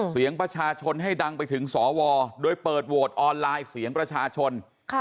เสียงประชาชนให้ดังไปถึงสวโดยเปิดโหวตออนไลน์เสียงประชาชน